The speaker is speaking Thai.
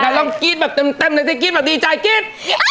นำลองกรี๊ตแบบเต็มในเส้นกรี๊ตแบบดีใจกรี๊ต